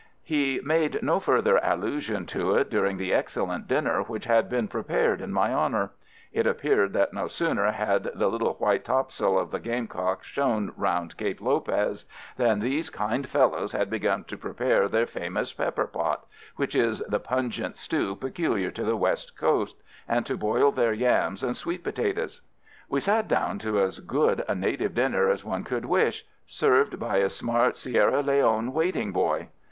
He made no further allusion to it during the excellent dinner which had been prepared in my honour. It appeared that no sooner had the little white topsail of the Gamecock shown round Cape Lopez than these kind fellows had begun to prepare their famous pepper pot—which is the pungent stew peculiar to the West Coast—and to boil their yams and sweet potatoes. We sat down to as good a native dinner as one could wish, served by a smart Sierra Leone waiting boy.